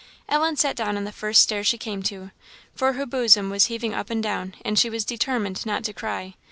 Ellen sat down on the first stair she came to, for her bosom was heaving up and down, and she was determined not to cry.